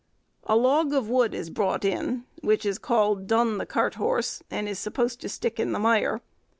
A log of wood is brought in, which is called Dun the cart horse, and is supposed to stick in the mire.